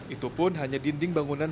itu pun hanya dinding bangunan